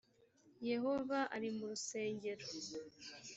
yehova ari mu rusengero